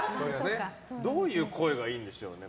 どういう声がいいんでしょうね。